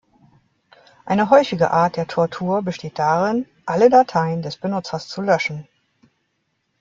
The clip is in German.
Eine häufige Art der Tortur besteht darin, alle Dateien des Benutzers zu löschen.